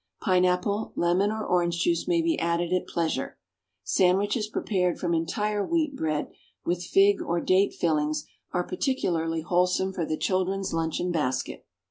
Pineapple, lemon or orange juice may be added at pleasure. Sandwiches prepared from entire wheat bread, with fig or date fillings, are particularly wholesome for the children's luncheon basket.